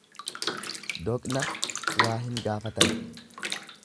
Doqna waa hin gaafatan.